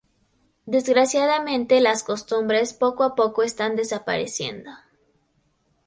Desgraciadamente las costumbres poco a poco están desapareciendo.